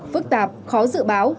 phức tạp khó dự báo